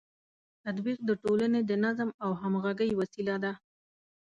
تطبیق د ټولنې د نظم او همغږۍ وسیله ده.